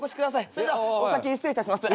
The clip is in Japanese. それではお先に失礼いたします。